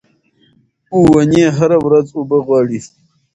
ونې هره ورځ اوبه غواړي.